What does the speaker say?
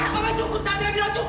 mama cukup satria dia cukup